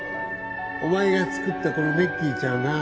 お前が作ったこのネッキーちゃんが